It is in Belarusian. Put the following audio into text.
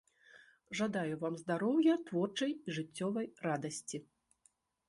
Жадаю вам здароўя, творчай і жыццёвай радасці.